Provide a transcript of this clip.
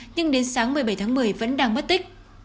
nhưng đến sáng một mươi bảy tháng một mươi vẫn đang mất tích